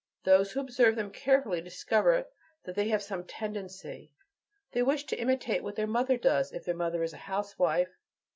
Those who observe them carefully discover that they have some "tendency." They wish to imitate what their mother does, if their mother is a housewife.